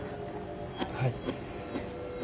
はい。